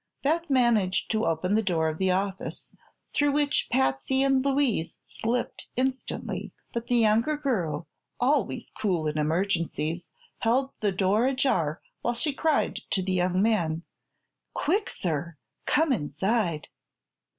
Beth managed to open the door of the office, through which Patsy and Louise slipped instantly, but the younger girl, always cool in emergencies, held the door ajar while she cried to the young man: "Quick, sir come inside!"